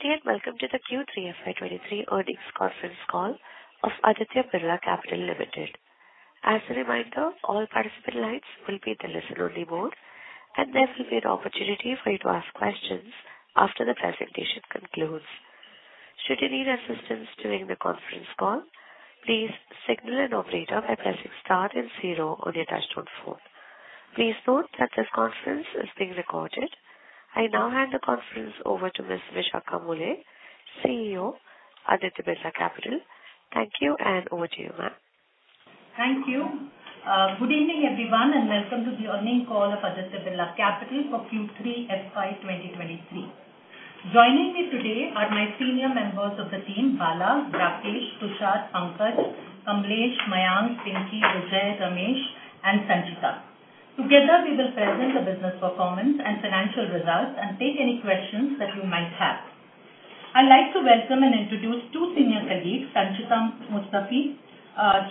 Ladies and gentlemen, good day and welcome to the Q3FY2023 earnings conference call of Aditya Birla Capital Limited. As a reminder, all participant lines will be in the listen-only mode, and there will be an opportunity for you to ask questions after the presentation concludes. Should you need assistance during the conference call, please signal an operator by pressing star then zero on your touchtone phone. Please note that this conference is being recorded. I now hand the conference over to Ms. Vishakha Mulye, CEO, Aditya Birla Capital. Thank you, and over to you, ma'am. Thank you. Good evening, everyone, welcome to the earnings call of Aditya Birla Capital for Q3FY 2023. Joining me today are my senior members of the team, Bala, Rakesh, Tushar, Ankar, Kamlesh, Mayank, Pinky, Vijay, Ramesh, and Sanchita. Together, we will present the business performance and financial results and take any questions that you might have. I'd like to welcome and introduce two senior colleagues, Sanchita Mustauphy,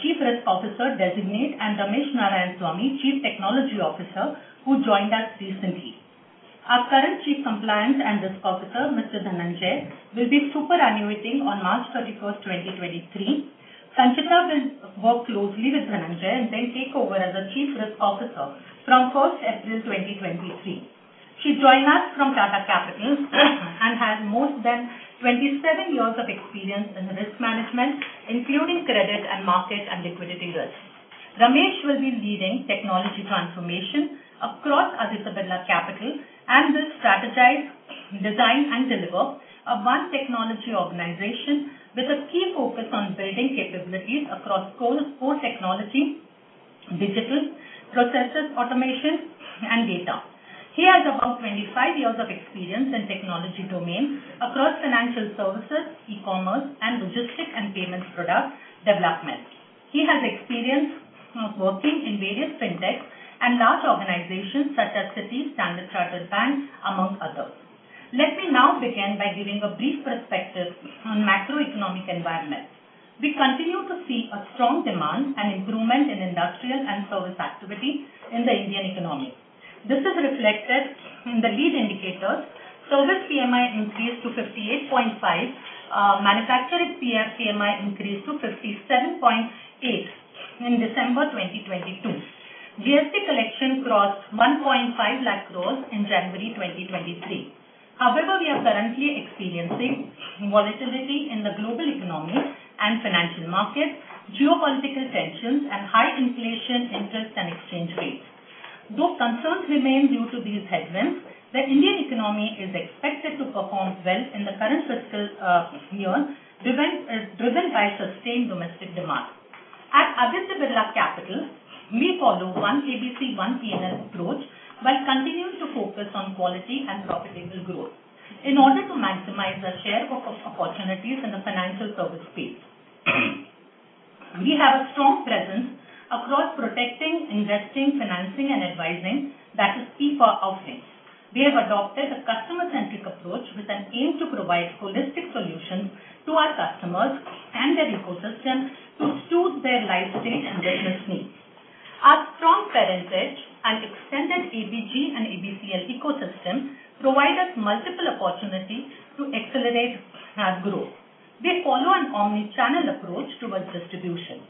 Chief Risk Officer Designate, and Ramesh Narayanaswamy, Chief Technology Officer, who joined us recently. Our current Chief Compliance and Risk Officer, Mr. Dhananjay, will be superannuating on March 31st, 2023. Sanchita will work closely with Dhananjay and then take over as the Chief Risk Officer from April 1st, 2023. She joined us from Tata Capital and has more than 27 years of experience in risk management, including credit and market and liquidity risk. Ramesh will be leading technology transformation across Aditya Birla Capital and will strategize, design, and deliver a One Technology organization with a key focus on building capabilities across core technology, digital, processes automation, and data. He has about 25 years of experience in technology domain across financial services, e-commerce, and logistic and payments product development. He has experience working in various fintechs and large organizations such as Citi, Standard Chartered Bank, among others. Let me now begin by giving a brief perspective on macroeconomic environment. We continue to see a strong demand and improvement in industrial and service activity in the Indian economy. This is reflected in the lead indicators. Service PMI increased to 58.5. Manufacturing PMI increased to 57.8 in December 2022. GST collection crossed 1.5 lakh crores in January 2023. We are currently experiencing volatility in the global economy and financial markets, geopolitical tensions, and high inflation interest and exchange rates. Concerns remain due to these headwinds, the Indian economy is expected to perform well in the current fiscal year, driven by sustained domestic demand. At Aditya Birla Capital, we follow One ABC One P&L approach while continuing to focus on quality and profitable growth in order to maximize our share of opportunities in the financial service space. We have a strong presence across protecting, investing, financing, and advising that is key for our offerings. We have adopted a customer-centric approach with an aim to provide holistic solutions to our customers and their ecosystem to suit their life stage and their business needs. Our strong parentage and extended ABG and ABCL ecosystem provide us multiple opportunities to accelerate our growth. We follow an omni-channel approach towards distribution.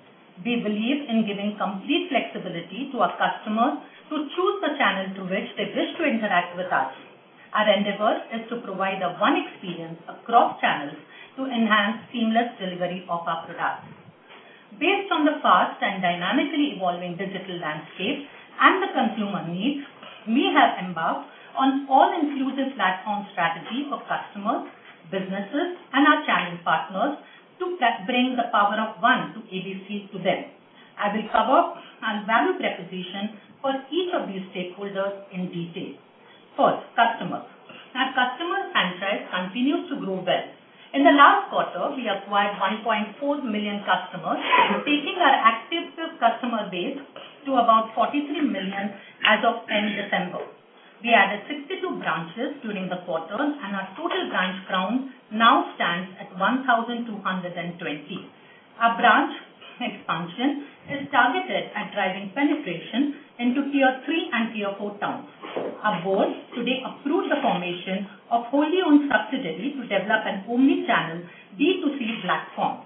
We believe in giving complete flexibility to our customers to choose the channel through which they wish to interact with us. Our endeavor is to provide a one experience across channels to enhance seamless delivery of our products. Based on the fast and dynamically evolving digital landscape and the consumer needs, we have embarked on all-inclusive platform strategy for customers, businesses, and our channel partners to bring the power of One ABC to them. I will cover our value proposition for each of these stakeholders in detail. First, customers. Our customer franchise continues to grow well. In the last quarter, we acquired 1.4 million customers, taking our active customer base to about 43 million as of end December. We added 62 branches during the quarter, and our total branch count now stands at 1,220. Our branch expansion is targeted at driving penetration into tier three and tier four towns. Our board today approved the formation of wholly owned subsidiary to develop an omni-channel B2C platform.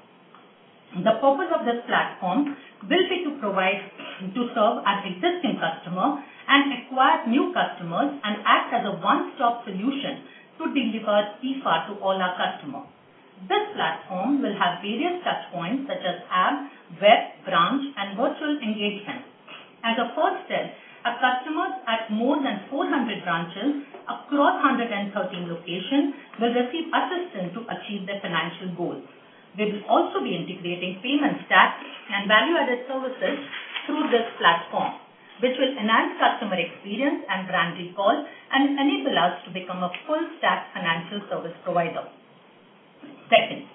The purpose of this platform will be to serve our existing customer and acquire new customers and act as a one-stop solution to deliver FIFA to all our customers. This platform will have various touchpoints such as app, web, branch, and virtual engagement. As a first step, our customers at more than 400 branches across 113 locations will receive assistance to achieve their financial goals. We will also be integrating payment stack and value-added services through this platform, which will enhance customer experience and brand recall and enable us to become a full-stack financial service provider. Second,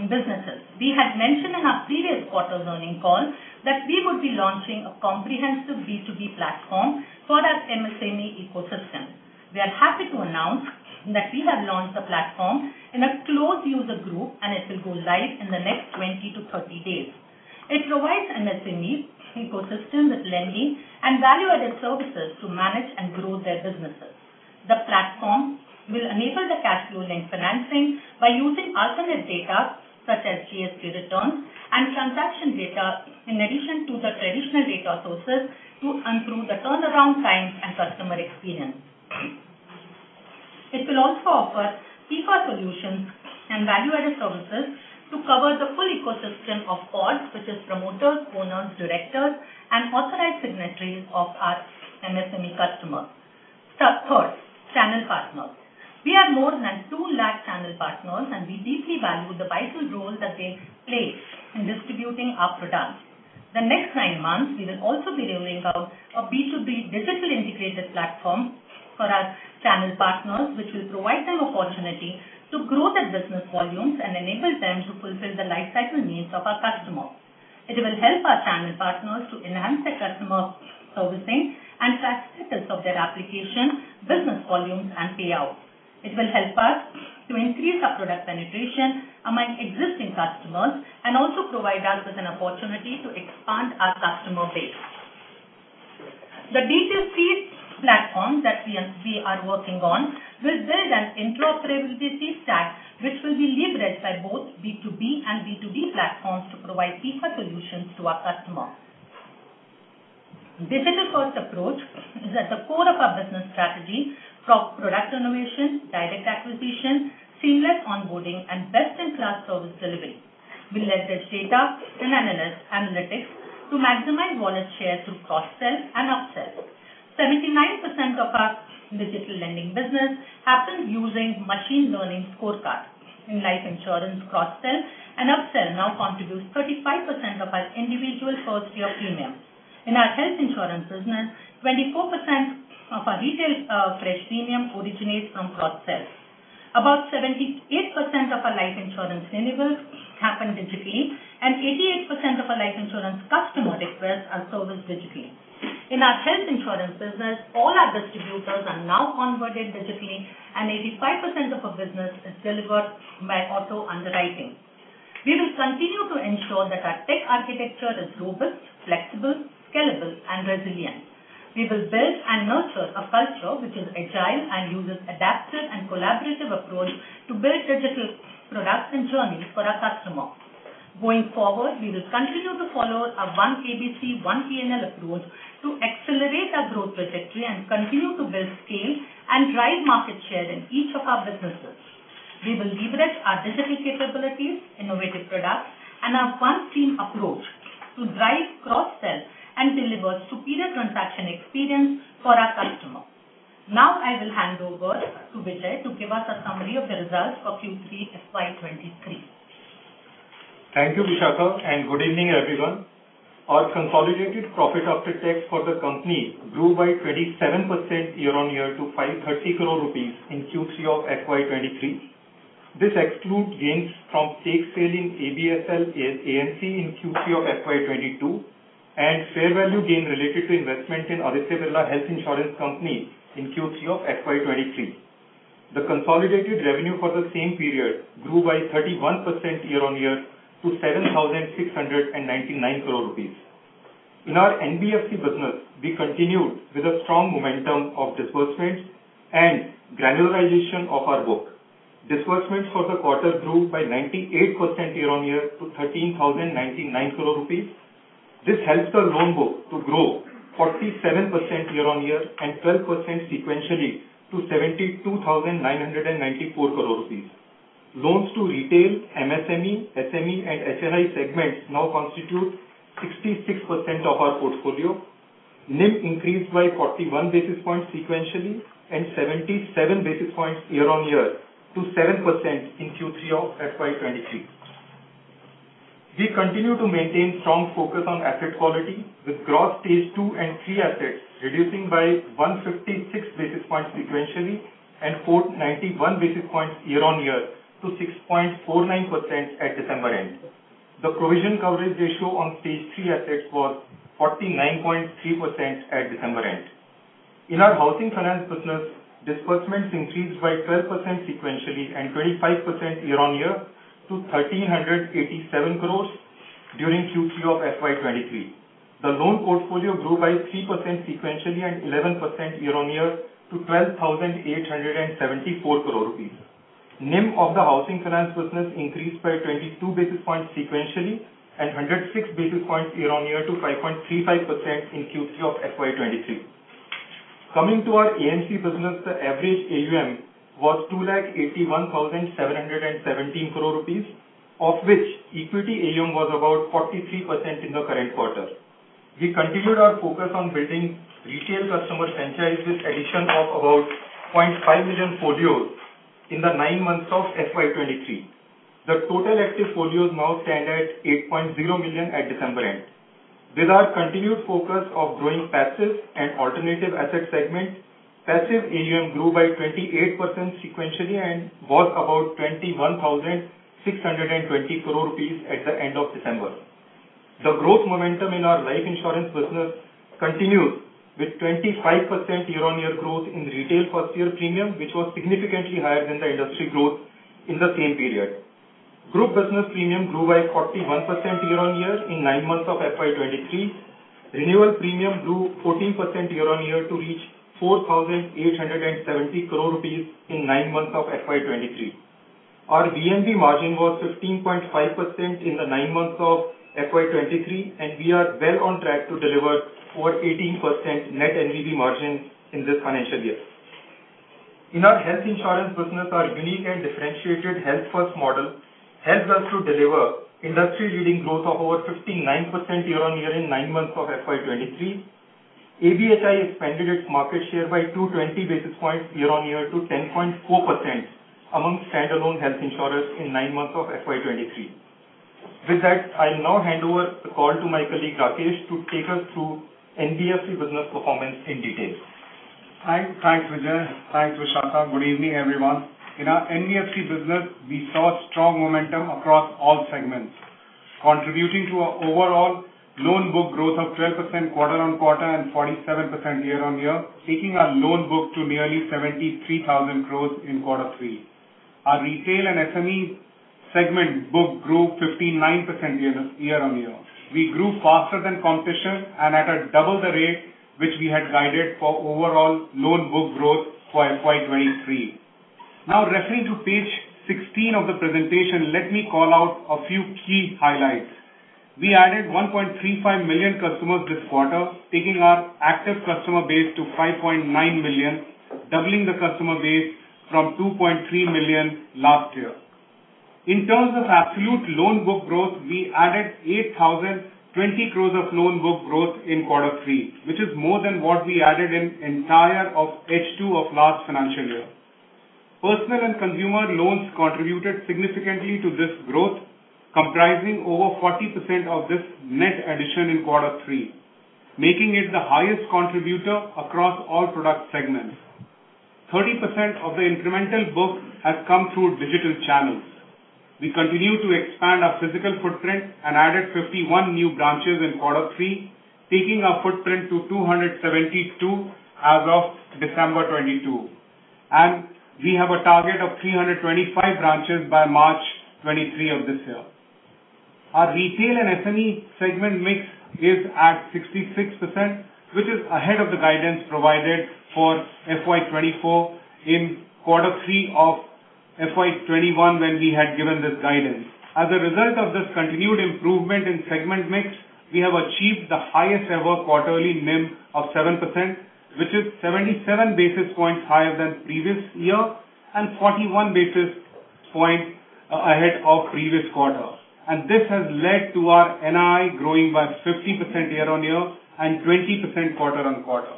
in businesses. We had mentioned in our previous quarter's earning call that we would be launching a comprehensive B2B platform for our MSME ecosystem. We are happy to announce that we have launched the platform in a closed user group, and it will go live in the next 20-30 days. It provides an SME ecosystem with lending and value-added services to manage and grow their businesses. The platform will enable the cash flow link financing by using alternate data such as GST returns and transaction data in addition to the traditional data sources to improve the turnaround time and customer experience. It will also offer deeper solutions and value-added services to cover the full ecosystem of all, which is promoters, owners, directors, and authorized signatories of our MSME customers. Third, channel partners. We have more than two lakh channel partners, and we deeply value the vital role that they play in distributing our products. The next nine months, we will also be rolling out a B2B digital integrated platform for our channel partners, which will provide them opportunity to grow their business volumes and enable them to fulfill the lifecycle needs of our customers. It will help our channel partners to enhance their customer servicing and track status of their application, business volumes and payouts. It will help us to increase our product penetration among existing customers and also provide us with an opportunity to expand our customer base. The B2C platform that we are working on will build an interoperability stack which will be leveraged by both B2B and B2C platforms to provide deeper solutions to our customers. Digital-first approach is at the core of our business strategy for product innovation, direct acquisition, seamless onboarding, and best-in-class service delivery. We leverage data and analytics to maximize wallet share through cross-sell and up-sell. 79% of our digital lending business happens using machine learning scorecard. In life insurance, cross-sell and up-sell now contributes 35% of our individual first year premium. In our health insurance business, 24% of our retail fresh premium originates from cross-sell. About 78% of our life insurance renewals happen digitally, and 88% of our life insurance customer requests are serviced digitally. In our health insurance business, all our distributors are now onboarded digitally, and 85% of our business is delivered by auto underwriting. We will continue to ensure that our tech architecture is robust, flexible, scalable, and resilient. We will build and nurture a culture which is agile and uses adaptive and collaborative approach to build digital products and journeys for our customers. Going forward, we will continue to follow our One ABC, One PNL approach to accelerate our growth trajectory and continue to build scale and drive market share in each of our businesses. We will leverage our digital capabilities, innovative products, and our one team approach to drive cross-sell and deliver superior transaction experience for our customers. I will hand over to Vijay to give us a summary of the results for Q3 FY 2023. Thank you, Vishakha. Good evening, everyone. Our consolidated profit after tax for the company grew by 27% year-on-year to 530 crore rupees in Q3 of FY23. This excludes gains from stake sale in ABSL AMC in Q3 of FY22 and fair value gain related to investment in Aditya Birla Health Insurance Company in Q3 of FY23. The consolidated revenue for the same period grew by 31% year-on-year to 7,699 crore rupees. In our NBFC business, we continued with a strong momentum of disbursements and granularization of our book. Disbursement for the quarter grew by 98% year-on-year to 13,099 crore rupees. This helps the loan book to grow 47% year-on-year and 12% sequentially to 72,994 crore rupees. Loans to retail MSME, SME, and SNI segments now constitute 66% of our portfolio. NIM increased by 41 basis points sequentially and 77 basis points year-on-year to 7% in Q3 of FY 2023. We continue to maintain strong focus on asset quality, with gross stage two and three assets reducing by 156 basis points sequentially and 491 basis points year-on-year to 6.49% at December end. The provision coverage ratio on stage three assets was 49.3% at December end. In our housing finance business, disbursements increased by 12% sequentially and 25% year-on-year to 1,387 crore during Q3 of FY 2023. The loan portfolio grew by 3% sequentially and 11% year-on-year to 12,874 crore rupees. NIM of the housing finance business increased by 22 basis points sequentially and 106 basis points year-on-year to 5.35% in Q3 of FY23. Coming to our AMC business, the average AUM was 2,81,717 crore rupees, of which equity AUM was about 43% in the current quarter. We continued our focus on building retail customer franchise with addition of about 0.5 million portfolios in the nine months of FY23. The total active portfolios now stand at 8.0 million at December end. With our continued focus of growing passive and alternative asset segment, passive AUM grew by 28% sequentially and was about 21,620 crore rupees at the end of December. The growth momentum in our life insurance business continued with 25% year-on-year growth in retail first year premium, which was significantly higher than the industry growth in the same period. Group business premium grew by 41% year-on-year in nine months of FY2023. Renewal premium grew 14% year-on-year to reach 4,870 crore rupees in nine months of FY2023. Our VNB margin was 15.5% in the nine months of FY2023, and we are well on track to deliver over 18% net VNB margin in this financial year. In our health insurance business, our unique and differentiated Health First model helps us to deliver industry-leading growth of over 59% year-on-year in nine months of FY2023. ABHI expanded its market share by 220 basis points year-on-year to 10.4% amongst standalone health insurers in nine months of FY2023. With that, I'll now hand over the call to my colleague, Rakesh, to take us through NBFC business performance in detail. Hi. Thanks, Vijay. Thanks, Vishakha. Good evening, everyone. In our NBFC business, we saw strong momentum across all segments, contributing to a overall loan book growth of 12% quarter-on-quarter and 47% year-on-year, taking our loan book to nearly 73,000 crore in Q3. Our retail and SME segment book grew 59% year-on-year. We grew faster than competition and at a double the rate which we had guided for overall loan book growth for FY23. Referring to page 16 of the presentation, let me call out a few key highlights. We added 1.35 million customers this quarter, taking our active customer base to 5.9 million, doubling the customer base from 2.3 million last year. In terms of absolute loan book growth, we added 8,020 crore of loan book growth in Q3, which is more than what we added in entire of H2 of last financial year. Personal and consumer loans contributed significantly to this growth, comprising over 40% of this net addition in Q3, making it the highest contributor across all product segments. 30% of the incremental book has come through digital channels. We continue to expand our physical footprint and added 51 new branches in Q3, taking our footprint to 272 as of December 2022, and we have a target of 325 branches by March 2023 of this year. Our retail and SME segment mix is at 66%, which is ahead of the guidance provided for FY24 in Q3 of FY21, when we had given this guidance. As a result of this continued improvement in segment mix, we have achieved the highest ever quarterly NIM of 7%, which is 77 basis points higher than previous year and 41 basis points ahead of previous quarter. This has led to our NI growing by 50% year-on-year and 20% quarter-on-quarter.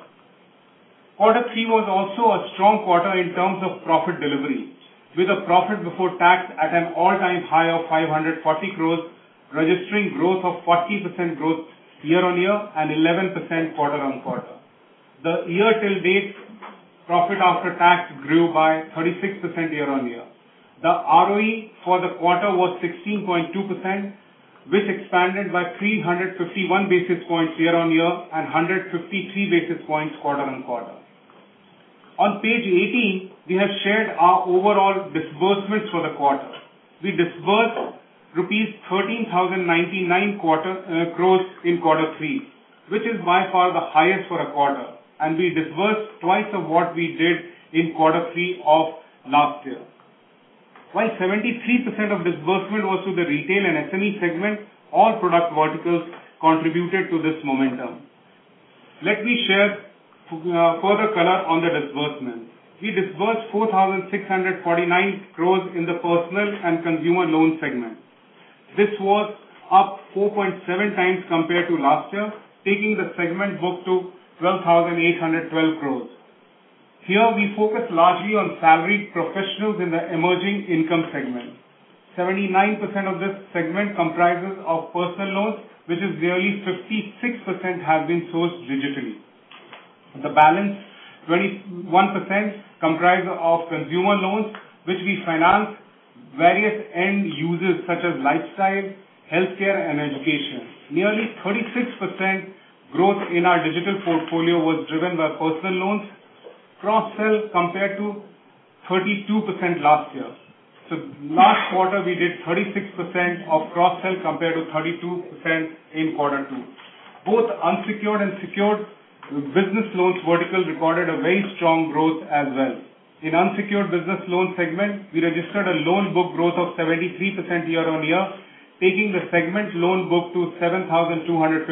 Q3 was also a strong quarter in terms of profit delivery, with a profit before tax at an all-time high of 540 crores, registering growth of 40% growth year-on-year and 11% quarter-on-quarter. The year till date PAT grew by 36% year-on-year. The ROE for the quarter was 16.2%, which expanded by 351 basis points year-on-year and 153 basis points quarter-on-quarter. On page 18, we have shared our overall disbursements for the quarter. We disbursed rupees 13,099 crores in Q3, which is by far the highest for a quarter, and we disbursed twice of what we did in Q3 of last year. While 73% of disbursement was to the retail and SME segment, all product verticals contributed to this momentum. Let me share further color on the disbursement. We disbursed 4,649 crores in the personal and consumer loan segment. This was up 4.7x compared to last year, taking the segment book to 12,812 crores. Here we focus largely on salaried professionals in the emerging income segment. 79% of this segment comprises of personal loans, which is nearly 56% have been sourced digitally. The balance, 21%, comprise of consumer loans, which we finance various end users such as lifestyle, healthcare, and education. Nearly 36% growth in our digital portfolio was driven by personal loans cross-sell compared to 32% last year. Last quarter we did 36% of cross-sell compared to 32% in Q2. Both unsecured and secured business loans vertical recorded a very strong growth as well. In unsecured business loan segment, we registered a loan book growth of 73% year-on-year, taking the segment loan book to 7,254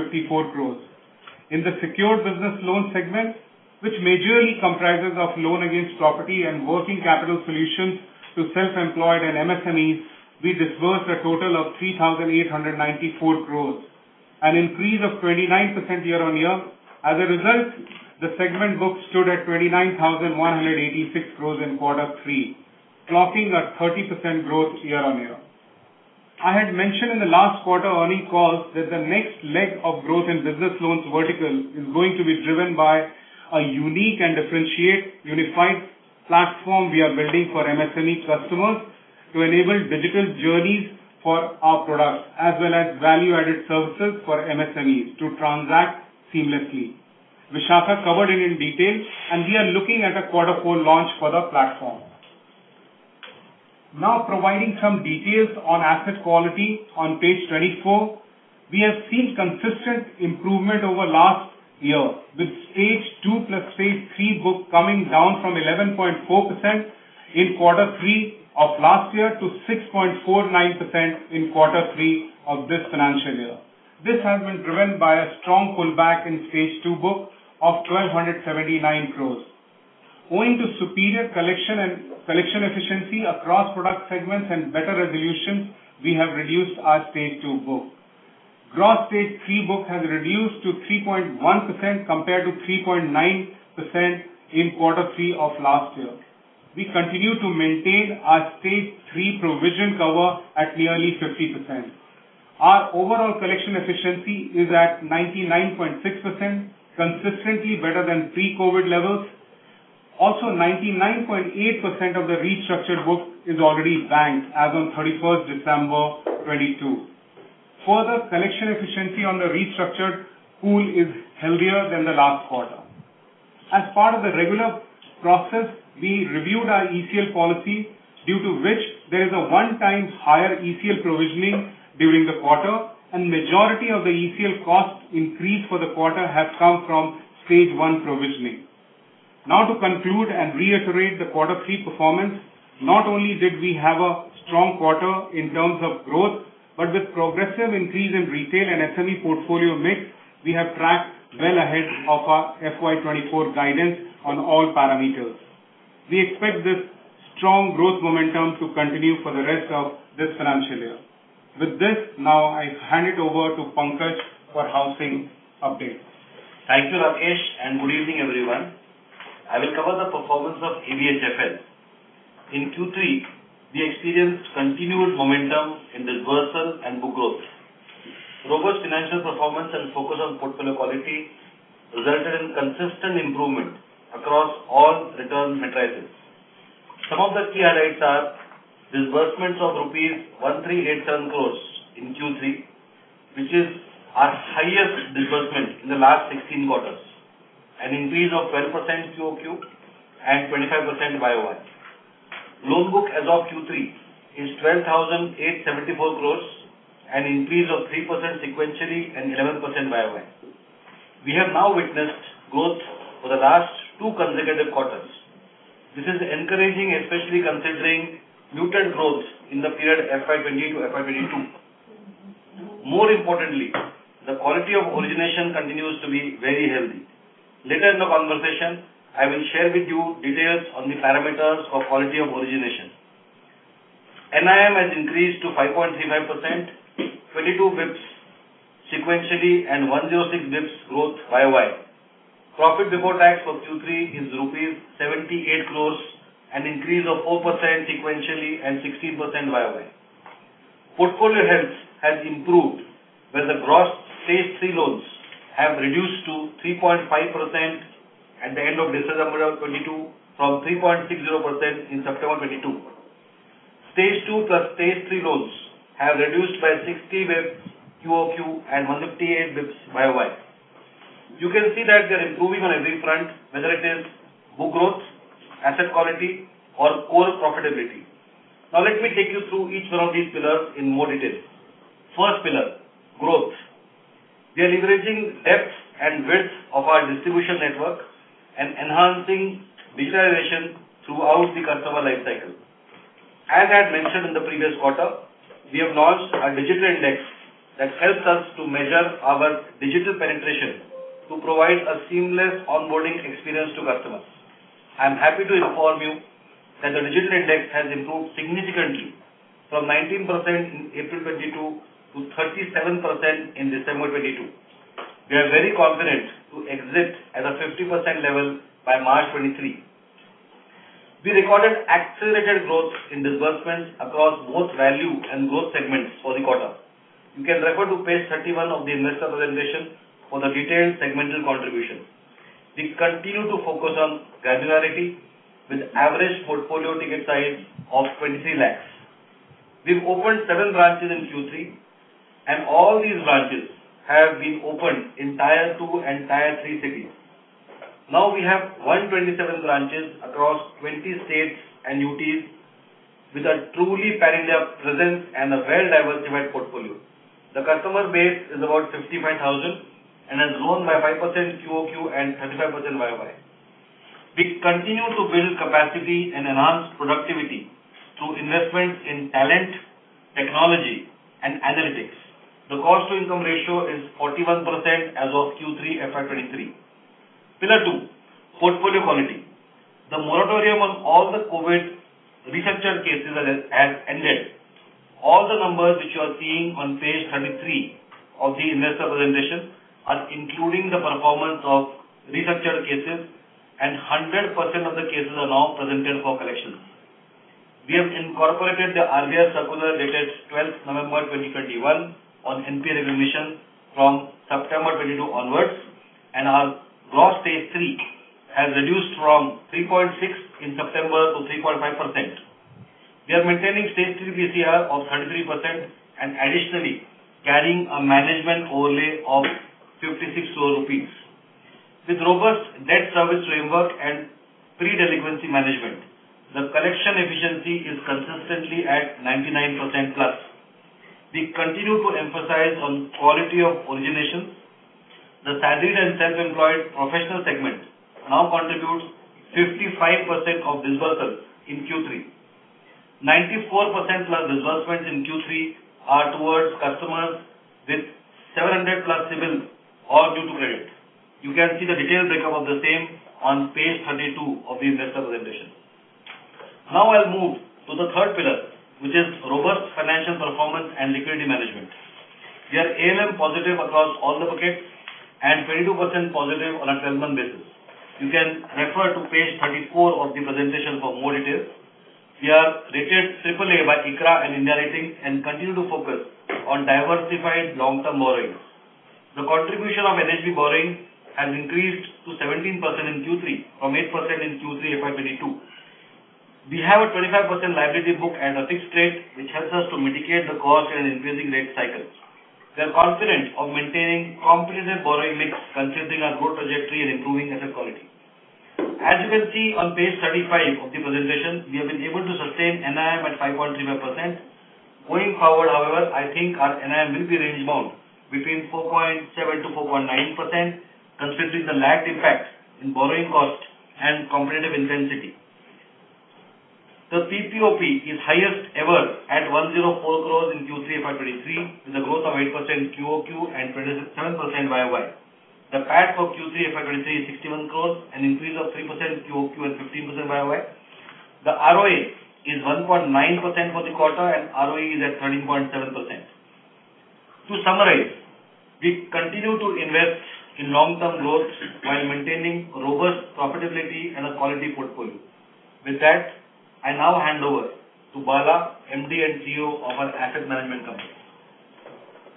crores. In the secured business loan segment, which majorly comprises of loan against property and working capital solutions to self-employed and MSMEs, we disbursed a total of 3,894 crores, an increase of 29% year-on-year. As a result, the segment book stood at 29,186 crore in Q3, clocking a 30% growth year-on-year. I had mentioned in the last quarter earning call that the next leg of growth in business loans vertical is going to be driven by a unique and differentiate unified platform we are building for MSME customers to enable digital journeys for our products as well as value-added services for MSMEs to transact seamlessly. Vishakha covered it in detail, and we are looking at a quarter four launch for the platform. Now providing some details on asset quality on page 24. We have seen consistent improvement over last year with stage two plus stage three book coming down from 11.4% in Q3 of last year to 6.49% in Q3 of this financial year. This has been driven by a strong pullback in stage two book of 1,279 crore. Owing to superior collection and collection efficiency across product segments and better resolution, we have reduced our stage two book. Gross stage three book has reduced to 3.1% compared to 3.9% in Q3 of last year. We continue to maintain our stage three provision cover at nearly 50%. Our overall collection efficiency is at 99.6%, consistently better than pre-COVID levels. 99.8% of the restructured book is already banked as on 31st December 2022. Collection efficiency on the restructured pool is healthier than the last quarter. As part of the regular process, we reviewed our ECL policy, due to which there is a one times higher ECL provisioning during the quarter. Majority of the ECL cost increase for the quarter has come from stage one provisioning. To conclude and reiterate the Q3 performance, not only did we have a strong quarter in terms of growth, but with progressive increase in retail and SME portfolio mix, we have tracked well ahead of our FY 2024 guidance on all parameters. We expect this strong growth momentum to continue for the rest of this financial year. With this, now I hand it over to Pankaj for housing update. Thank you, Rakesh. Good evening, everyone. I will cover the performance of ABHFL. In Q3, we experienced continued momentum in disbursement and book growth. Robust financial performance and focus on portfolio quality resulted in consistent improvement across all return metrics. Some of the key highlights are disbursements of rupees 1,387 crores in Q3, which is our highest disbursement in the last 16 quarters, an increase of 12% QOQ and 25% YoY. Loan book as of Q3 is 12,874 crores, an increase of 3% sequentially and 11% YoY. We have now witnessed growth for the last two consecutive quarters. This is encouraging, especially considering muted growth in the period FY 2020 to FY 2022. More importantly, the quality of origination continues to be very healthy. Later in the conversation, I will share with you details on the parameters of quality of origination. NIM has increased to 5.35%, 22 basis points sequentially and 106 basis points growth year-over-year. Profit before tax for Q3 is 78 crore rupees, an increase of 4% sequentially and 16% year-over-year. Portfolio health has improved, where the gross stage three loans have reduced to 3.5% at the end of December 2022 from 3.60% in September 2022. Stage two plus stage three loans have reduced by 60 basis points quarter-over-quarter and 158 basis points year-over-year. You can see that we are improving on every front, whether it is book growth, asset quality, or core profitability. Let me take you through each one of these pillars in more detail. First pillar, growth. We are leveraging depth and width of our distribution network and enhancing digitalization throughout the customer life cycle. As I had mentioned in the previous quarter, we have launched a digital index that helps us to measure our digital penetration to provide a seamless onboarding experience to customers. I am happy to inform you that the digital index has improved significantly from 19% in April 2022 to 37% in December 2022. We are very confident to exit at a 50% level by March 2023. We recorded accelerated growth in disbursements across both value and growth segments for the quarter. You can refer to page 31 of the investor presentation for the detailed segmental contribution. We continue to focus on granularity with average portfolio ticket size of 23 lakhs. We opened seven branches in Q3, and all these branches have been opened in tier two and tier three cities. We have 127 branches across 20 states and UTs with a truly pan-India presence and a well-diversified portfolio. The customer base is about 55,000 and has grown by 5% QOQ and 35% YoY. We continue to build capacity and enhance productivity through investments in talent, technology and analytics. The cost to income ratio is 41% as of Q3 FY 2023. Pillar two, portfolio quality. The moratorium on all the COVID restructured cases has ended. All the numbers which you are seeing on page 33 of the investor presentation are including the performance of restructured cases and 100% of the cases are now presented for collections. We have incorporated the RBI circular dated 12th November 2021 on NPA recognition from September 22nd onwards. Our gross stage three has reduced from 3.6 in September to 3.5%. We are maintaining stage three PCR of 33% and additionally carrying a management overlay of 56,000 rupees. With robust debt service framework and pre-delinquency management, the collection efficiency is consistently at 99%+. We continue to emphasize on quality of origination. The salaried and self-employed professional segment now contributes 55% of disbursements in Q3. 94%+ disbursements in Q3 are towards customers with 700+ CIBIL or due to credit. You can see the detailed breakup of the same on page 32 of the investor presentation. I'll move to the third pillar, which is robust financial performance and liquidity management. We are ALM positive across all the buckets and 22% positive on a 12-month basis. You can refer to page 34 of the presentation for more details. We are rated AAA by ICRA and India Ratings and continue to focus on diversified long-term borrowings. The contribution of NHB borrowing has increased to 17% in Q3 from 8% in Q3 FY22. We have a 25% liability book and a fixed rate, which helps us to mitigate the cost and increasing rate cycles. We are confident of maintaining competitive borrowing mix considering our growth trajectory and improving asset quality. As you can see on page 35 of the presentation, we have been able to sustain NIM at 5.35%. Going forward, however, I think our NIM will be range bound between 4.7%-4.9% considering the lagged impact in borrowing cost and competitive intensity. The PPOP is highest ever at 104 crores in Q3 FY23, with a growth of 8% QoQ and 27% YoY. The PAT for Q3 FY23 is 61 crores, an increase of 3% QoQ and 15% YoY. The ROA is 1.9% for the quarter and ROE is at 13.7%. To summarize, we continue to invest in long-term growth while maintaining robust profitability and a quality portfolio. With that, I now hand over to Bala, MD and CEO of our asset management company.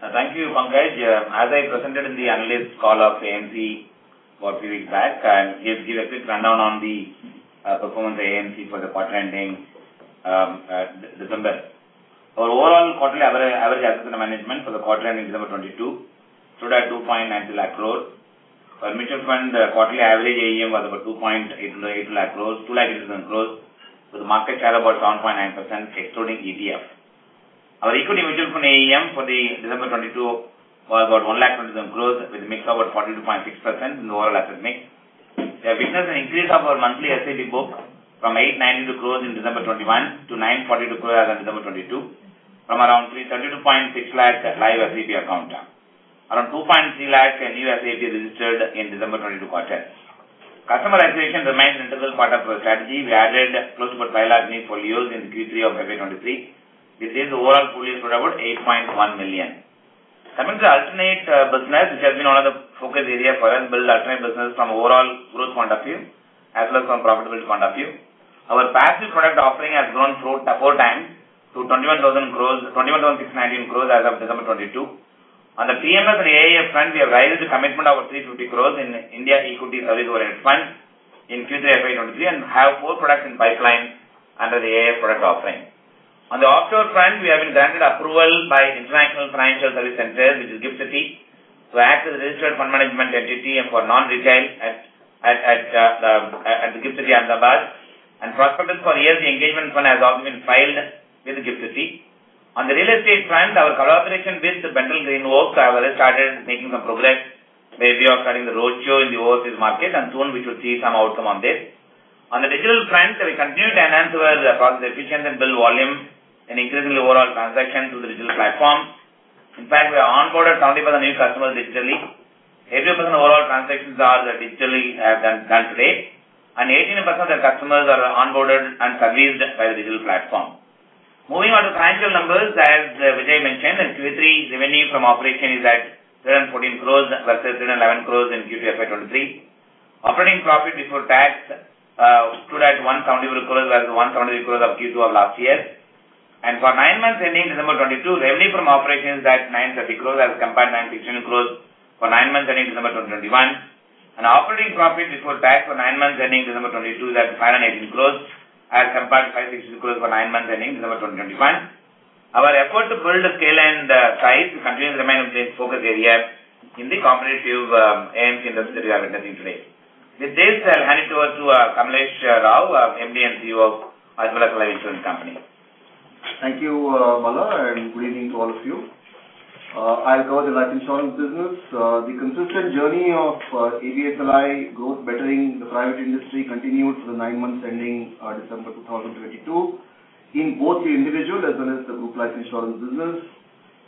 Thank you, Pankaj. As I presented in the analyst call of AMC for a few weeks back, and just give a quick rundown on the performance of AMC for the quarter ending December. Our overall quarterly average assets under management for the quarter ending December 2022 stood at 2.9 lakh crores. Our mutual fund quarterly average AUM was about 2.88 lakh crores, 2 lakh crores with a market share of about 7.9% excluding ETF. Our equity mutual fund AUM for the December 2022 was about 1 lakh crores with a mix of about 42.6% in the overall asset mix. We have witnessed an increase of our monthly SAP book from 892 crores in December 2021 to 942 crores as of December 2022 from around 332.6 lakh live SAP account. Around 2.3 lakh new SAP registered in December 2022 quarter. Customer acquisition remains an integral part of our strategy. We added close to 8 lakh new folios in Q3 of FY 2023. This is overall folios for about 8.1 million. Coming to alternate business, which has been one of the focus areas for us, build alternate business from overall growth point of view as well as from profitability point of view. Our passive product offering has grown four times to 21,690 crores as of December 2022. On the PMS and AIF front, we have raised the commitment of 350 crores in India Equity Services Fund in Q3 FY 2023 and have more products in pipeline under the AIF product offering. On the offshore front, we have been granted approval by International Financial Services Centre, which is GIFT City, to act as a registered fund management entity and for non-retail at the GIFT City, Ahmedabad. Prospective for AIF engagement fund has also been filed with GIFT City. On the real estate front, our collaboration with the Bengal Green Works have already started making some progress by way of starting the roadshow in the overseas market, and soon we should see some outcome on this. On the digital front, we continue to enhance our cost efficiency and build volume and increasing the overall transactions through the digital platform. In fact, we have onboarded 70% new customers digitally. 80% of overall transactions are digitally done today, and 18% of the customers are onboarded and serviced by the digital platform. Moving on to financial numbers, as Vijay mentioned, in Q3, revenue from operation is at 714 crores versus 711 crores in Q2 FY23. Operating profit before tax stood at 171 crores versus 170 crores of Q2 of last year. For nine months ending December 2022, revenue from operations is at 930 crores as compared to 916 crores for nine months ending December 2021. Operating profit before tax for nine months ending December 2022 is at 518 crores as compared to 516 crores for nine months ending December 2021. Our effort to build scale and size continues to remain a big focus area in the competitive AMC industry that we are discussing today. With this, I'll hand it over to Kamlesh Rao, MD and CEO of Aditya Birla Sun Life Insurance. Thank you, Bala. Good evening to all of you. I'll cover the life insurance business. The consistent journey of ICICI Life growth bettering the private industry continued for the nine months ending December 2022 in both the individual as well as the group life insurance business.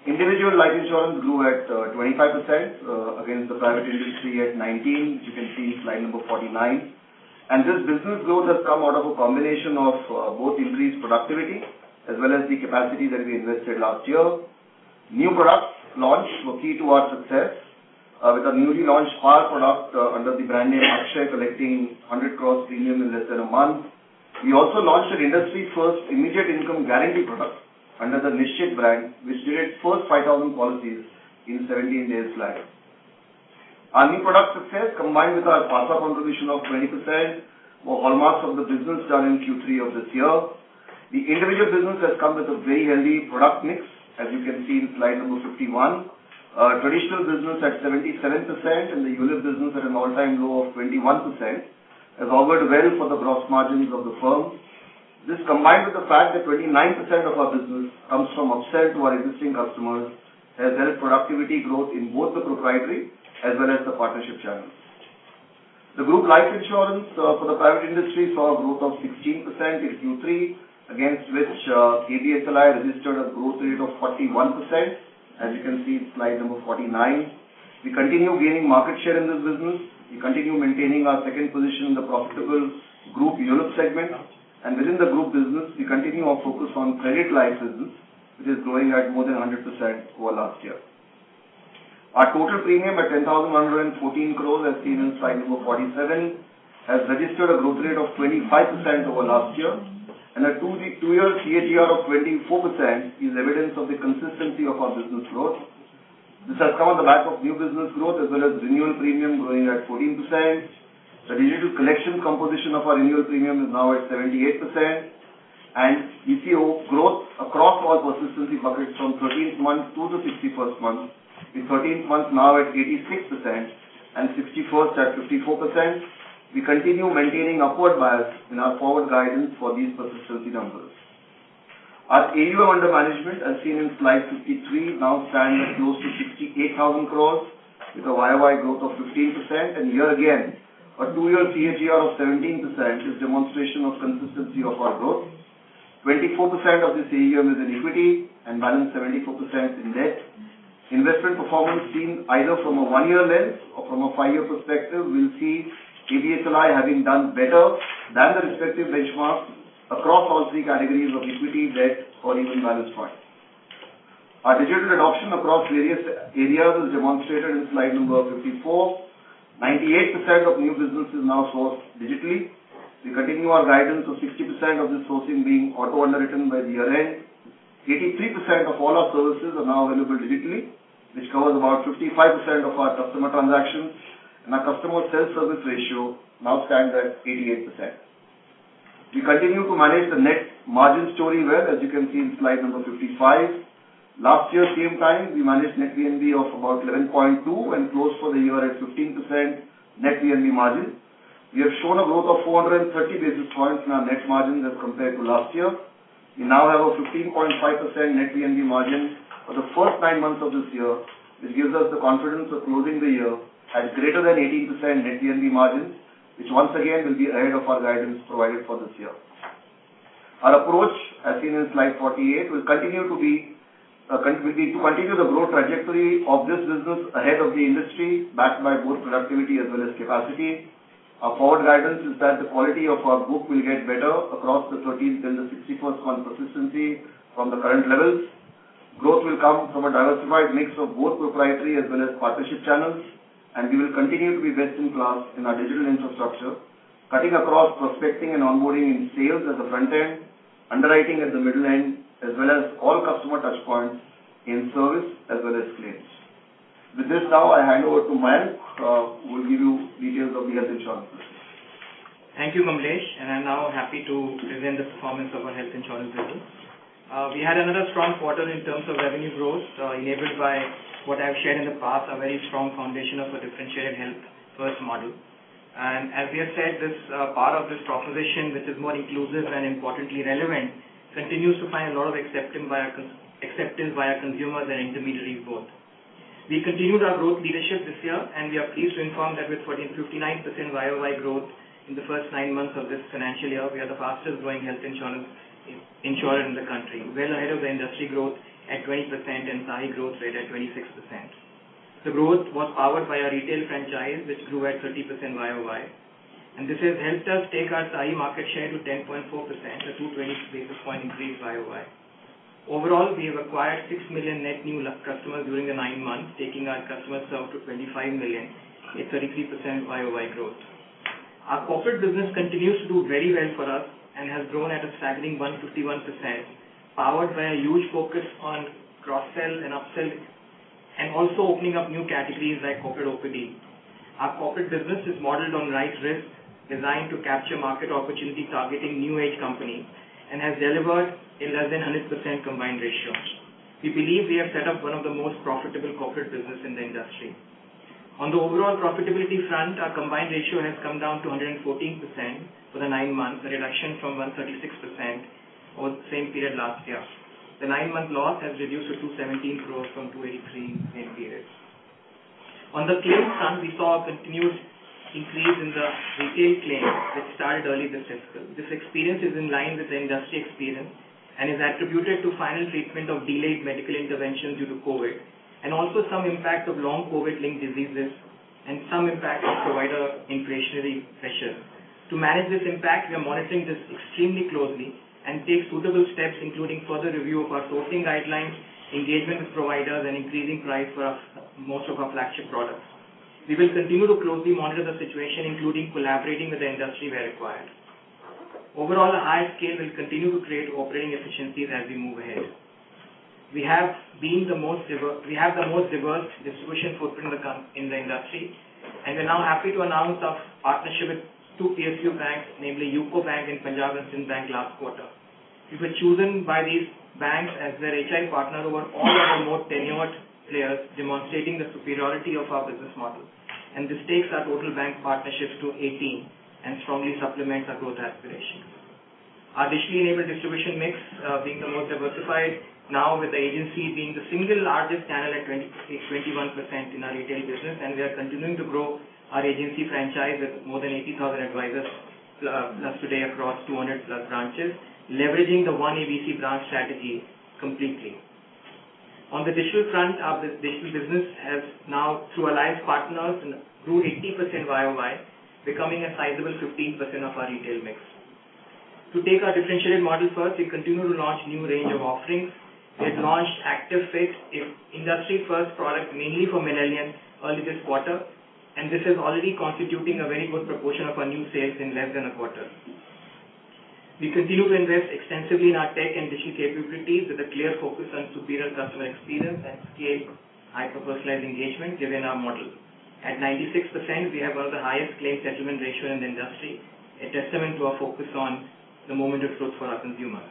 Individual life insurance grew at 25% against the private industry at 19%. You can see slide number 49. This business growth has come out of a combination of both increased productivity as well as the capacity that we invested last year. New products launched were key to our success with our newly launched power product under the brand name Akshay collecting 100 crore premium in less than a month. We also launched an industry-first immediate income guarantee product under the Nishchay brand, which did its first 5,000 policies in 17 days flat. Our new product success, combined with our PARSA contribution of 20%, were hallmarks of the business done in Q3 of this year. The individual business has come with a very healthy product mix, as you can see in slide number 51. Traditional business at 77% and the ULIP business at an all-time low of 21% has boded well for the gross margins of the firm. This, combined with the fact that 29% of our business comes from upsell to our existing customers, has helped productivity growth in both the proprietary as well as the partnership channels. The group life insurance for the private industry saw a growth of 16% in Q3, against which ABSLI registered a growth rate of 41%, as you can see in slide number 49. We continue gaining market share in this business. We continue maintaining our second position in the profitable group ULIP segment. Within the group business, we continue our focus on credit life business, which is growing at more than 100% over last year. Our total premium at 10,114 crores, as seen in slide number 47, has registered a growth rate of 25% over last year. A two year CAGR of 24% is evidence of the consistency of our business growth. This has come on the back of new business growth as well as renewal premium growing at 14%. The digital collection composition of our annual premium is now at 78%. We see growth across all persistency buckets from 13th month to the 61st month. In 13th month now at 86% and 61st at 54%. We continue maintaining upward bias in our forward guidance for these persistency numbers. Our AUM under management, as seen in slide 53, now stand at close to 68,000 crores with a YOY growth of 15% and year again. A two year CAGR of 17% is demonstration of consistency of our growth. 24% of this AUM is in equity and balance 74% in debt. Investment performance seen either from a one year lens or from a five year perspective, we'll see ABSLI having done better than the respective benchmark across all three categories of equity, debt or even balance point. Our digital adoption across various areas is demonstrated in slide number 54. 98% of new business is now sourced digitally. We continue our guidance of 60% of this sourcing being auto underwritten by year-end. 83% of all our services are now available digitally, which covers about 55% of our customer transactions. Our customer self-service ratio now stands at 88%. We continue to manage the net margin story well, as you can see in slide number 55. Last year same time, we managed net VNB of about 11.2% and closed for the year at 15% net VNB margin. We have shown a growth of 430 basis points in our net margin as compared to last year. We now have a 15.5% net VNB margin for the first nine months of this year, which gives us the confidence of closing the year at greater than 18% net VNB margins, which once again will be ahead of our guidance provided for this year. Our approach, as seen in slide 48, will continue to be, we continue the growth trajectory of this business ahead of the industry, backed by both productivity as well as capacity. Our forward guidance is that the quality of our book will get better across the 13th and the 61st month persistency from the current levels. Growth will come from a diversified mix of both proprietary as well as partnership channels, and we will continue to be best in class in our digital infrastructure, cutting across prospecting and onboarding in sales at the front end, underwriting at the middle end, as well as all customer touch points in service as well as claims. With this now I hand over to Mayank, who will give you details of the health insurance business. Thank you, Kamlesh. I'm now happy to present the performance of our health insurance business. We had another strong quarter in terms of revenue growth, enabled by what I've shared in the past, a very strong foundation of a differentiated Health First model. As we have said, this part of this proposition, which is more inclusive and importantly relevant, continues to find a lot of acceptance by our consumers and intermediaries both. We continued our growth leadership this year and we are pleased to inform that with 1,459% YOY growth in the first nine months of this financial year, we are the fastest growing health insurer in the country. Well ahead of the industry growth at 20% and TAI growth rate at 26%. The growth was powered by our retail franchise, which grew at 30% YOY. This has helped us take our TAI market share to 10.4%, a 220 basis point increase YOY. Overall, we have acquired 6 million net new customers during the nine months, taking our customers now to 25 million at 33% YOY growth. Our corporate business continues to do very well for us and has grown at a staggering 151%, powered by a huge focus on cross-sell and upsell, and also opening up new categories like corporate OPD. Our corporate business is modeled on right risk, designed to capture market opportunity targeting new age companies, and has delivered a less than 100% combined ratio. We believe we have set up one of the most profitable corporate business in the industry. On the overall profitability front, our combined ratio has come down to 114% for the nine months, a reduction from 136% over the same period last year. The nine-month loss has reduced to 217 growth from 283 in previous. On the claims front, we saw a continued increase in the retail claims that started early this fiscal. This experience is in line with the industry experience and is attributed to final treatment of delayed medical intervention due to COVID, and also some impact of long COVID-linked diseases and some impact of provider inflationary pressure. To manage this impact, we are monitoring this extremely closely and take suitable steps, including further review of our sourcing guidelines, engagement with providers, and increasing price for most of our flagship products. We will continue to closely monitor the situation, including collaborating with the industry where required. Overall, the higher scale will continue to create operating efficiencies as we move ahead. We have the most diverse distribution footprint in the industry. We're now happy to announce our partnership with two PSU banks, namely UCO Bank and Punjab National Bank last quarter. We were chosen by these banks as their HI partners over all other more tenured players, demonstrating the superiority of our business model. This takes our total bank partnerships to 18 and strongly supplements our growth aspirations. Our digitally enabled distribution mix, being the most diversified now with the agency being the single largest channel at 21% in our retail business. We are continuing to grow our agency franchise with more than 80,000 advisors with us today across 200 plus branches, leveraging the One ABC branch strategy completely. On the digital front, our digital business has now, through allied partners, grew 80% YOY, becoming a sizable 15% of our retail mix. To take our differentiated model first, we continue to launch new range of offerings. We've launched Activ Fit industry-first product mainly for millennials early this quarter. This is already constituting a very good proportion of our new sales in less than a quarter. We continue to invest extensively in our tech and digital capabilities with a clear focus on superior customer experience and scale hyper-personalized engagement given our model. At 96%, we have one of the highest claim settlement ratio in the industry, a testament to our focus on the moment of truth for our consumers.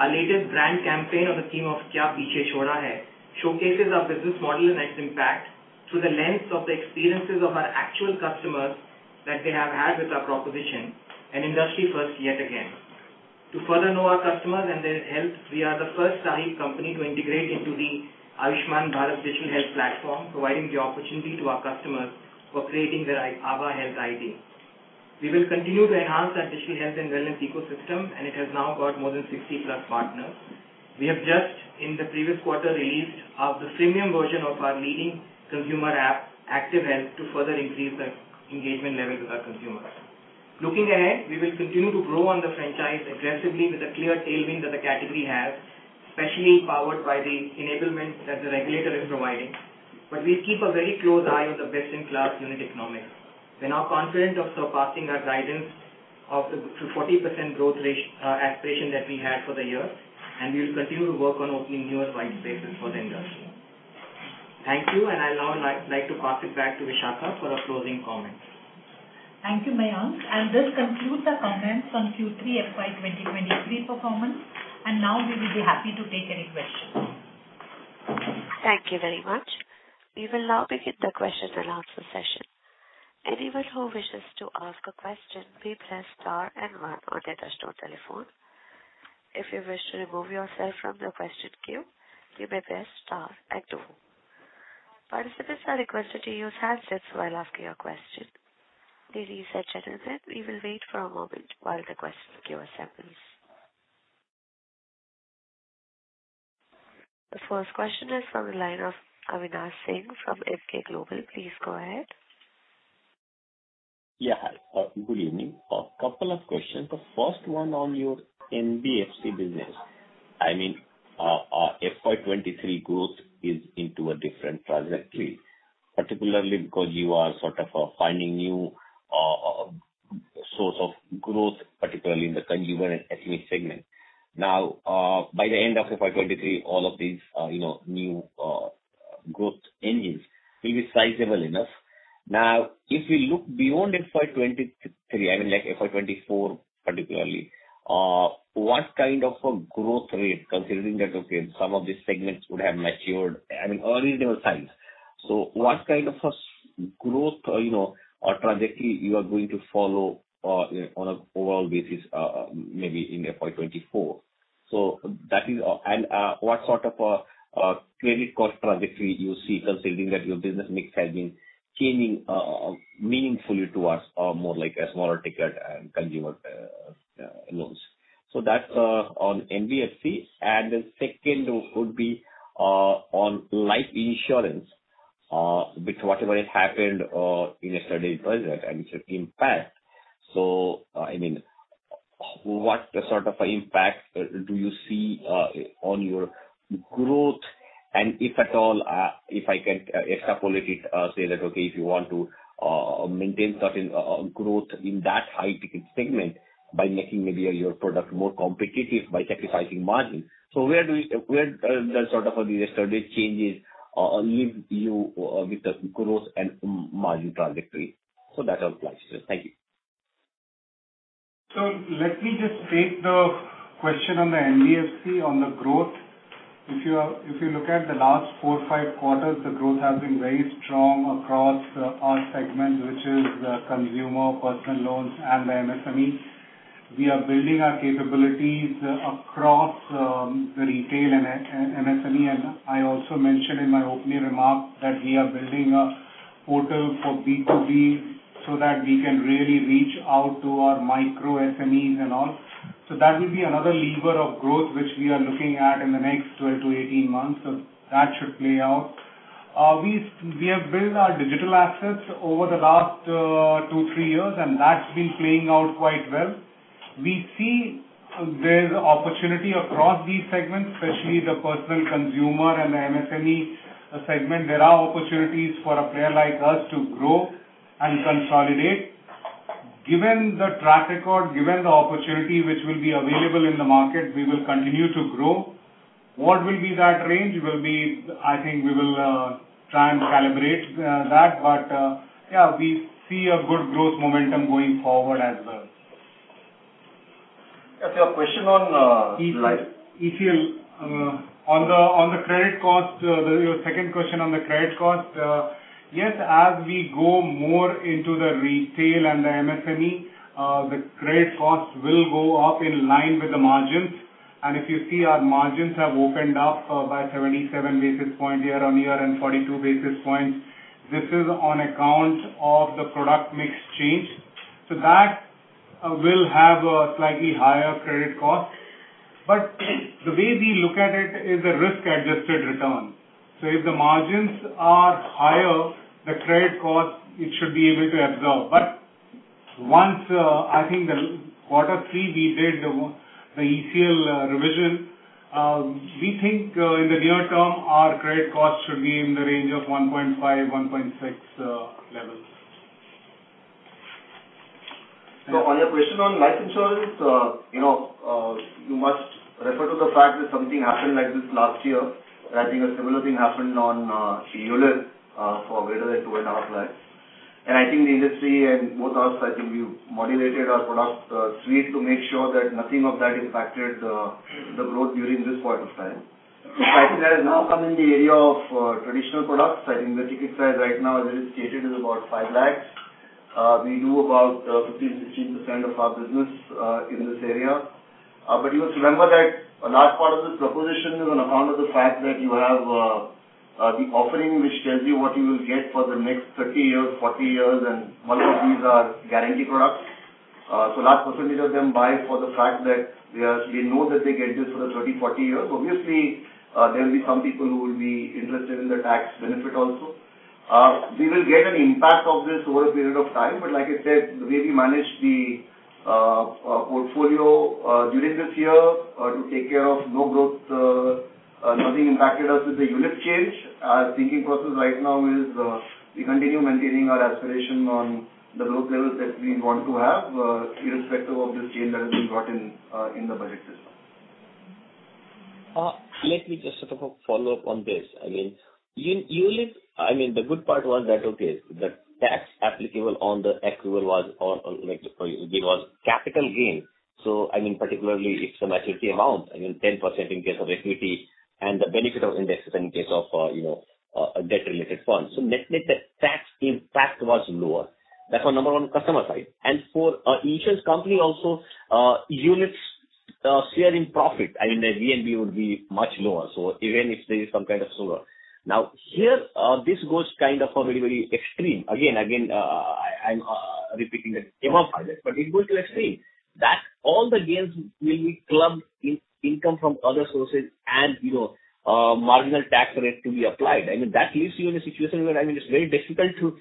Our latest brand campaign on the theme of "" showcasing our business model and its impact through the lens of the experiences of our actual customers that they have had with our proposition, an industry first yet again. To further know our customers and their health, we are the first AI company to integrate into the Ayushman Bharat Digital Health Platform, providing the opportunity to our customers for creating their ABHA health ID. We will continue to enhance our digital health and wellness ecosystem, and it has now got more than 60+ partners. We have just, in the previous quarter, released the premium version of our leading consumer app, Activ Health, to further increase the engagement levels with our consumers. Looking ahead, we will continue to grow on the franchise aggressively with the clear tailwind that the category has, especially powered by the enablement that the regulator is providing. We keep a very close eye on the best-in-class unit economics. We're now confident of surpassing our guidance of the 40% growth aspiration that we had for the year, we will continue to work on opening newer white spaces for the industry. Thank you, I'll now like to pass it back to Vishakha for her closing comments. Thank you, Mayank. This concludes our comments on Q3 FY 2023 performance. Now we will be happy to take any questions. Thank you very much. We will now begin the question and answer session. Anyone who wishes to ask a question may press star and one on their touchtone telephone. If you wish to remove yourself from the question queue, you may press star and two. Participants are requested to use handsets while asking your question. Please reset gentlemen, we will wait for a moment while the question queue assembles. The first question is from the line of Avinash Singh from Emkay Global. Please go ahead. Yeah. Hi. good evening. A couple of questions. The first one on your NBFC business. I mean, FY23 growth is into a different trajectory, particularly because you are sort of, finding new, source of growth, particularly in the consumer and SME segment. Now, by the end of FY23, all of these, you know, new, growth engines will be sizable enough. Now, if you look beyond FY23, I mean like FY24 particularly, what kind of a growth, you know, or trajectory you are going to follow, on an overall basis, maybe in FY24? That is. What sort of a credit cost trajectory you see considering that your business mix has been changing meaningfully towards more like a smaller ticket consumer loans. That's on NBFC. The second would be on life insurance with whatever has happened in yesterday's budget and its impact. I mean, what sort of impact do you see on your growth? If at all, if I can extrapolate it, say that, okay, if you want to maintain certain growth in that high ticket segment by making maybe your product more competitive by sacrificing margin. Where the sort of yesterday's changes leave you with the growth and margin trajectory? That's all. Thank you. Let me just take the question on the NBFC on the growth. If you look at the last four, five quarters, the growth has been very strong across our segment, which is the consumer personal loans and the MSME. We are building our capabilities across the retail and MSME, and I also mentioned in my opening remarks that we are building a portal for B2B so that we can really reach out to our micro SMEs and all. That will be another lever of growth which we are looking at in the next 12-18 months. That should play out. We have built our digital assets over the last two, three years, and that's been playing out quite well. There's opportunity across these segments, especially the personal consumer and the MSME segment. There are opportunities for a player like us to grow and consolidate. Given the track record, given the opportunity which will be available in the market, we will continue to grow. What will be that range, I think we will try and calibrate that. Yeah, we see a good growth momentum going forward as well. Yes, your question on, ECL. On the credit cost, your second question on the credit cost. Yes, as we go more into the retail and the MSME, the credit costs will go up in line with the margins. If you see our margins have opened up by 77 basis point year-on-year and 42 basis points. This is on account of the product mix change. That will have a slightly higher credit cost. The way we look at it is a risk-adjusted return. If the margins are higher, the credit cost, it should be able to absorb. Once, I think the quarter three, we did the ECL revision. We think, in the near term, our credit cost should be in the range of 1.5, 1.6 levels. On your question on life insurance, you know, you must refer to the fact that something happened like this last year. I think a similar thing happened on ULIP for greater than 2.5 lakhs. I think the industry and both us, I think we've moderated our product suite to make sure that nothing of that impacted the growth during this point of time. I think that has now come in the area of traditional products. I think the ticket size right now, as it is stated, is about 5 lakhs. We do about 15%-16% of our business in this area. You must remember that a large part of this proposition is on account of the fact that you have the offering, which tells you what you will get for the next 30 years, 40 years, and most of these are guarantee products. Large percentage of them buy for the fact that they know that they get this for the 30, 40 years. Obviously, there will be some people who will be interested in the tax benefit also. We will get an impact of this over a period of time, like I said, the way we manage the portfolio during this year to take care of no growth, nothing impacted us with the ULIP change. Our thinking process right now is, we continue maintaining our aspiration on the growth levels that we want to have, irrespective of this change that has been brought in the budget this time. Let me just sort of a follow-up on this. I mean, ULIP, I mean, the good part was that, okay, the tax applicable on the accrual was on like, it was capital gain. I mean, particularly it's an equity amount, I mean, 10% in case of equity and the benefit of index in case of a debt-related fund. Let's make that tax impact was lower. That's on number one customer side. For insurance company also, ULIP's share in profit, I mean, the VNB would be much lower. Even if there is some kind of slower. Here, this goes kind of a very extreme. Again, I'm repeating the amount project. It goes to extreme that all the gains will be clubbed in income from other sources and, you know, marginal tax rate to be applied. I mean, that leaves you in a situation where, I mean, it's very difficult to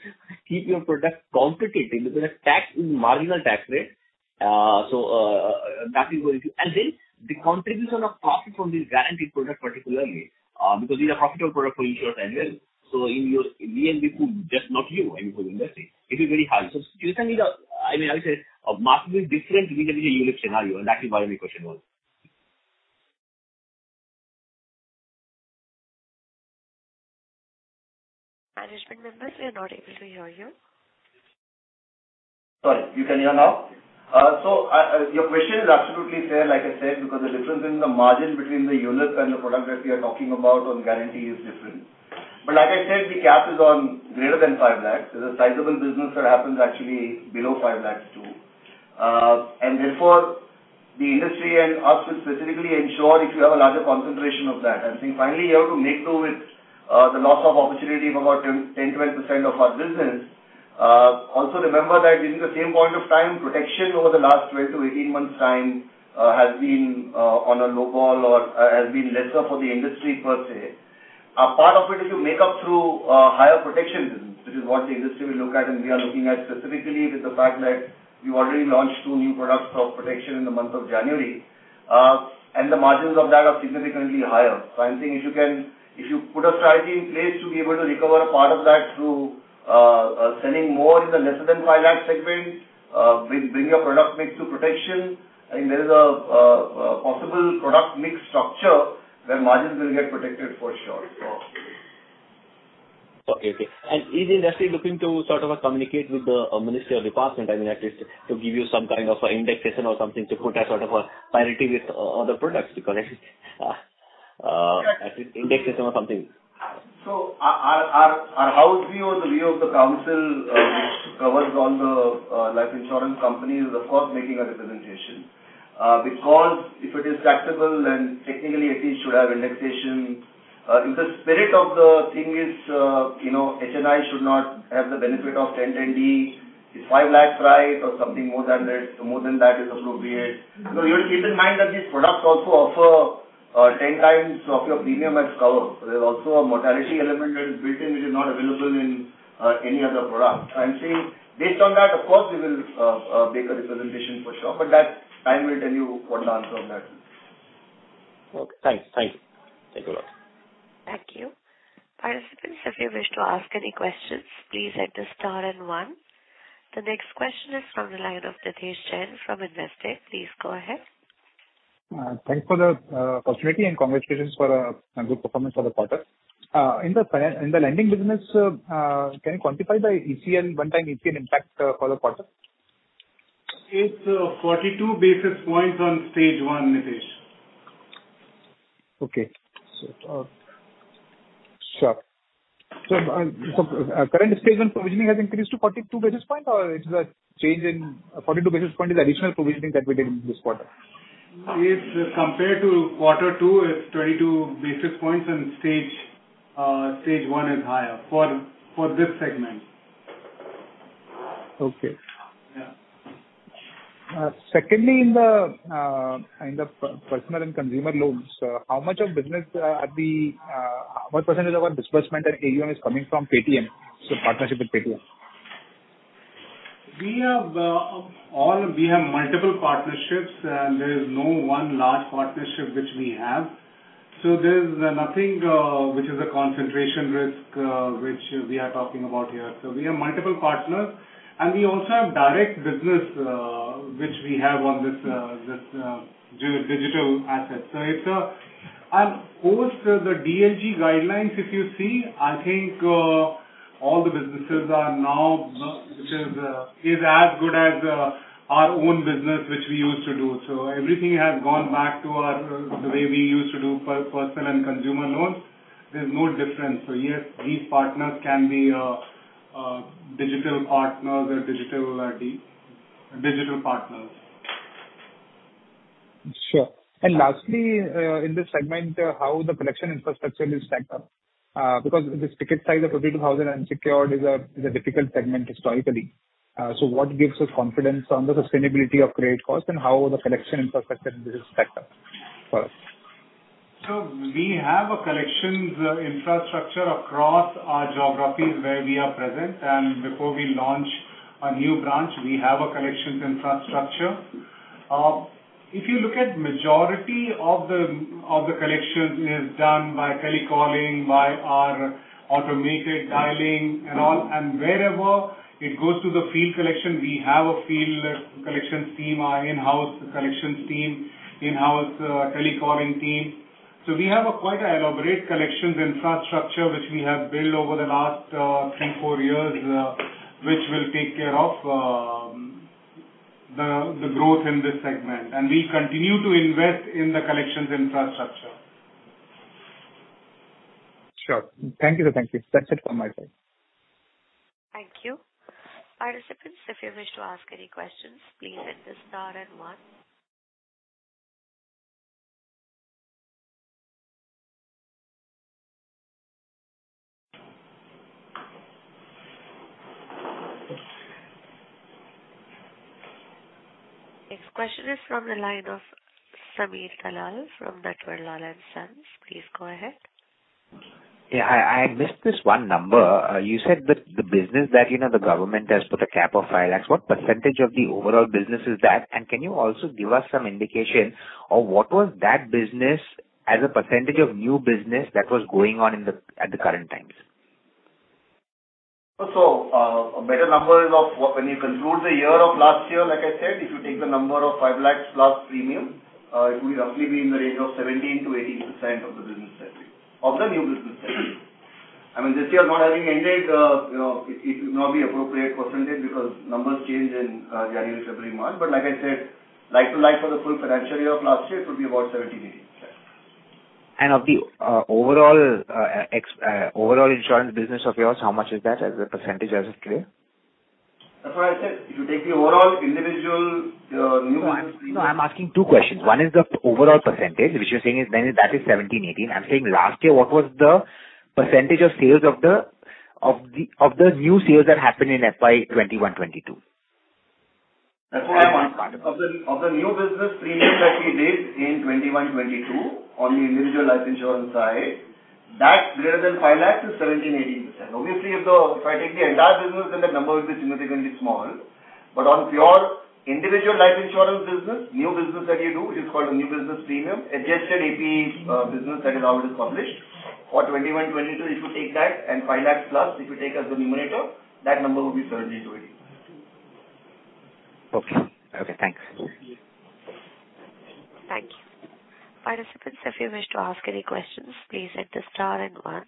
keep your product competitive because the tax is marginal tax rate. That is going to... Then the contribution of profit from this guarantee product particularly, because it's a profitable product for insurance as well. In your VNB pool, just not you, I mean, for the industry, it is very high. Situation is a, I mean, I would say a massively different vis-à-vis a ULIP scenario, that is why my question was. Management members, we are not able to hear you. Sorry. You can hear now? I, your question is absolutely fair, like I said, because the difference in the margin between the ULIP and the product that we are talking about on guarantee is different. Like I said, the cap is on greater than 5 lakhs. There's a sizable business that happens actually below 5 lakhs too. Therefore the industry and us will specifically ensure if you have a larger concentration of that. I think finally you have to make do with the loss of opportunity of about 10%-20% of our business. Also remember that during the same point of time, protection over the last 12-18 months' time, has been on a low ball or has been lesser for the industry per se. A part of it is you make up through higher protection business, which is what the industry will look at and we are looking at specifically with the fact that you already launched two new products of protection in the month of January. The margins of that are significantly higher. I'm saying if you put a strategy in place to be able to recover a part of that through selling more in the lesser than 5 lakh segment, bring your product mix to protection, I mean, there is a possible product mix structure where margins will get protected for sure. So. Okay. Okay. Is industry looking to sort of communicate with the ministry or department, I mean, at least to give you some kind of a indexation or something to put a sort of a parity with other products because. Correct. At least indexation or something. Our house view or the view of the council, which covers on the life insurance company is, of course, making a representation. If it is taxable, then technically at least should have indexation. If the spirit of the thing is, you know, HNI should not have the benefit of Section 10(10D), is 5 lakhs right or something more than that, more than that is appropriate. You know, you have to keep in mind that these products also offer 10 times of your premium is covered. There's also a mortality element that is built in, which is not available in any other product. See, based on that, of course we will make a representation for sure, but that time will tell you what the answer of that is. Okay, thanks. Thank you. Thank you a lot. Thank you. Participants, if you wish to ask any questions, please enter star and one. The next question is from the line of Nidhesh Jain from Investec. Please go ahead. Thanks for the opportunity and congratulations for a good performance for the quarter. In the lending business, can you quantify the ECL, one time ECL impact, for the quarter? It's 42 basis points on stage one, Nidhesh. Okay. Sure. Current stage on provisioning has increased to 42 basis point, or 42 basis point is additional provisioning that we did in this quarter? If compared to quarter two, it's 22 basis points and stage one is higher for this segment. Okay. Yeah. Secondly, in the personal and consumer loans, how much of business, at the, what % of our disbursement at AUM is coming from Paytm? Partnership with Paytm. We have, all, we have multiple partnerships. There is no one large partnership which we have. There's nothing, which is a concentration risk, which we are talking about here. We have multiple partners and we also have direct business, which we have on this digital asset. It's, and post the DLG guidelines, if you see, I think, all the businesses are now, which is as good as, our own business, which we used to do. Everything has gone back to our, the way we used to do personal and consumer loans. There's no difference. Yes, these partners can be, digital partners or digital partners. Sure. Lastly, in this segment, how the collection infrastructure is stacked up. This ticket size of 32,000 unsecured is a difficult segment historically. What gives us confidence on the sustainability of credit cost and how the collection infrastructure in this is stacked up for us? We have a collections infrastructure across our geographies where we are present. Before we launch a new branch, we have a collections infrastructure. If you look at majority of the collection is done by telecalling, by our automated dialing and all. Wherever it goes to the field collection, we have a field collections team, our in-house collections team, in-house telecalling team. We have a quite elaborate collections infrastructure which we have built over the last three, four years, which will take care of the growth in this segment. We continue to invest in the collections infrastructure. Sure. Thank you. Thank you. That's it from my side. Thank you. Participants, if you wish to ask any questions, please enter star and one. Next question is from the line of Sameer Dalal from Natverlal & Sons. Please go ahead. Yeah, I missed this one number. You said that the business that, you know, the government has put a cap of 5 lakhs. What percentage of the overall business is that? Can you also give us some indication of what was that business as a percentage of new business that was going on in the, at the current times? A better number is of when you conclude the year of last year, like I said, if you take the number of 5 lakh plus premium, it will roughly be in the range of 17%-18% of the business that year, of the new business that year. I mean, this year not having ended, you know, it will not be appropriate percentage because numbers change in January, February month. Like I said, like to like for the full financial year of last year, it would be about 17%, 18%. Of the overall insurance business of yours, how much is that as a percentage as of today? That's what I said. If you take the overall individual, new business premium. No, I'm asking two questions. One is the overall percentage, which you're saying is then that is 17%, 18%. I'm saying last year, what was the percentage of sales of the new sales that happened in FY 2021-2022? That's what I'm asking. Of the new business premium that we did in 2021, 2022 on the individual life insurance side, that greater than 5 lakhs is 17%-18%. Obviously, if I take the entire business, that number will be significantly small. On pure individual life insurance business, new business that you do is called new business premium. Adjusted APE business that is already published for 2021, 2022, if you take that and 5 lakhs plus, if you take as the numerator, that number will be 17%-18%. Okay. Okay, thanks. Thank you. Participants, if you wish to ask any questions, please enter star and one.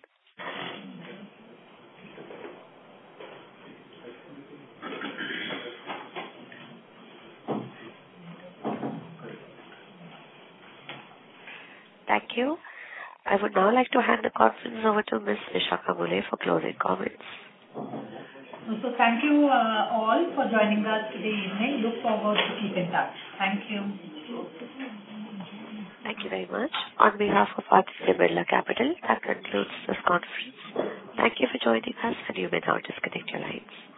Thank you. I would now like to hand the conference over to Ms. Vishakha Mulye for closing comments. Thank you, all for joining us today evening. Look forward to keeping touch. Thank you. Thank you very much. On behalf of Axis Capital Limited, that concludes this conference. Thank you for joining us and you may now disconnect your lines.